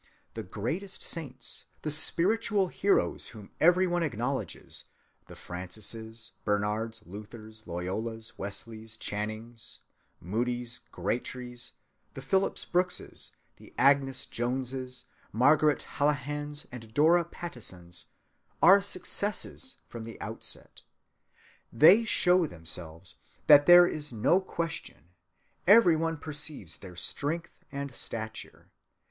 The greatest saints, the spiritual heroes whom every one acknowledges, the Francises, Bernards, Luthers, Loyolas, Wesleys, Channings, Moodys, Gratrys, the Phillips Brookses, the Agnes Joneses, Margaret Hallahans, and Dora Pattisons, are successes from the outset. They show themselves, and there is no question; every one perceives their strength and stature.